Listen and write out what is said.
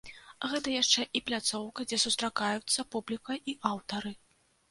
Гэта яшчэ і пляцоўка, дзе сустракаюцца публіка і аўтары.